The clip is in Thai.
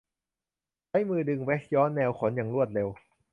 ใช้มือดึงแว็กซ์ย้อนแนวขนอย่างรวดเร็ว